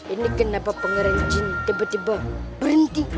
ini kenapa pengarahan jin tiba tiba berhenti